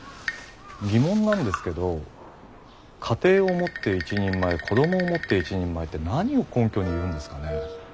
疑問なんですけど家庭を持って一人前子どもを持って一人前って何を根拠に言うんですかね？